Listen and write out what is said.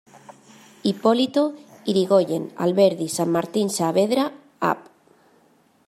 Hipólito Yrigoyen, Alberdi, San Martín, Saavedra, Av.